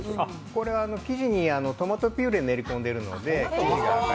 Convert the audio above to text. これは生地にトマトピューレを練り込んでるので。